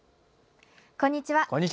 こんにちは。